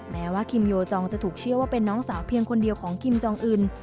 แม้ว่าคิมโยจองจะถูกเชื่อว่าเป็นน้องสาวเพียงคนเดียวของคิมจองอื่น